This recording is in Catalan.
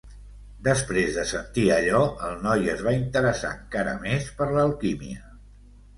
Després de sentir allò, el noi es va interessar encara més per l'alquímia.